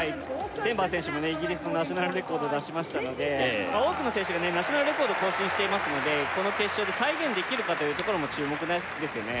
センバー選手もイギリスのナショナルレコードを出しましたので多くの選手がナショナルレコード更新していますのでこの決勝で再現できるかというところも注目ですよね